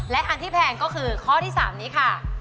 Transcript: และอันที่แพงก็คือข้อที่๓นี้ค่ะ